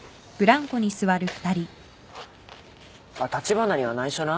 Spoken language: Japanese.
橘には内緒な。